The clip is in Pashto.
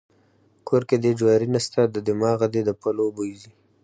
کور کې دې جواري نسته د دماغه دې د پلو بوی ځي.